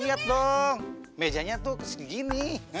lihat dong mejanya tuh segini